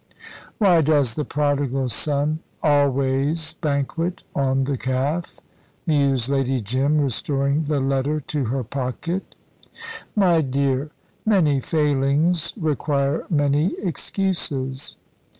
"Why does the prodigal son always banquet on the calf?" mused Lady Jim, restoring the letter to her pocket. "My dear, many failings require many excuses."